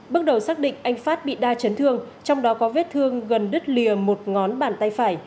bước đầu xác định anh phát bị đa chấn thương trong đó có vết thương gần đứt lìa một ngón bàn tay phải